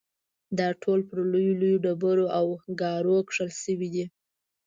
دا ټول پر لویو لویو ډبرو او ګارو کښل شوي دي.